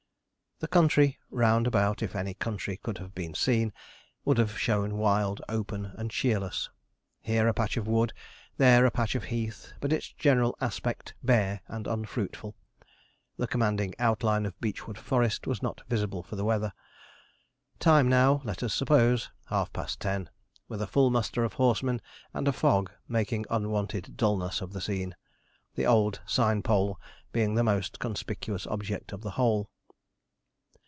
The country round about, if any country could have been seen, would have shown wild, open, and cheerless. Here a patch of wood, there a patch of heath, but its general aspect bare and unfruitful. The commanding outline of Beechwood Forest was not visible for the weather. Time now, let us suppose, half past ten, with a full muster of horsemen and a fog making unwonted dulness of the scene the old sign pole being the most conspicuous object of the whole.